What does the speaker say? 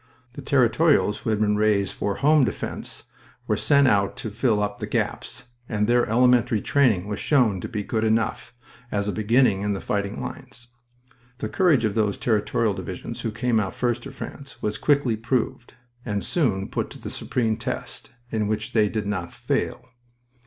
The Territorials who had been raised for home defense were sent out to fill up the gaps, and their elementary training was shown to be good enough, as a beginning, in the fighting lines. The courage of those Territorial divisions who came out first to France was quickly proved, and soon put to the supreme test, in which they did not fail.